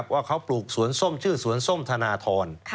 ว่าเขาปลูกสวนส้มชื่อสวนส้มธนทร